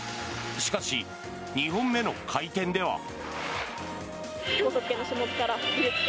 しかし、２本目の回転では。